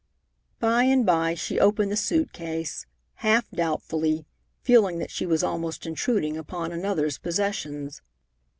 By and by, she opened the suit case, half doubtfully, feeling that she was almost intruding upon another's possessions.